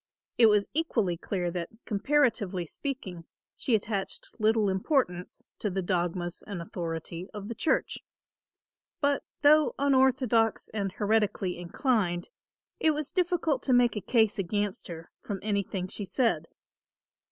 It was equally clear that, comparatively speaking, she attached little importance to the dogmas and authority of the church. But though unorthodox and heretically inclined, it was difficult to make a case against her from anything she said.